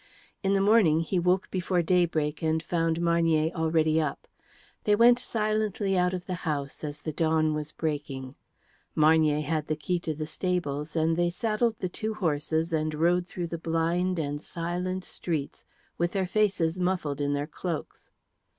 In the morning he woke before daybreak and found Marnier already up. They went silently out of the house as the dawn was breaking. Marnier had the key to the stables, and they saddled the two horses and rode through the blind and silent streets with their faces muffled in their cloaks.